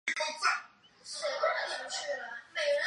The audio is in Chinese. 工人革命党是希腊的一个托洛茨基主义政党。